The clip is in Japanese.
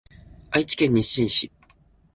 愛知県日進市